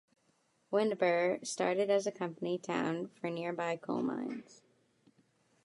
Windber started as a company town for nearby coal mines.